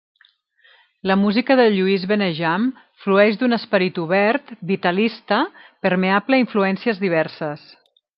La música de Lluís Benejam flueix d'un esperit obert, vitalista, permeable a influències diverses.